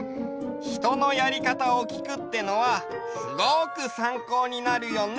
ひとのやりかたをきくってのはすごくさんこうになるよね！